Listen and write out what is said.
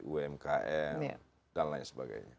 umkm dan lain sebagainya